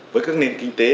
với các nền kinh tế